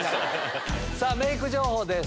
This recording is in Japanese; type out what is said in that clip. さぁメイク情報です。